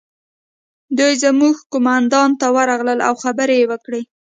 دوی زموږ قومندان ته ورغلل او خبرې یې وکړې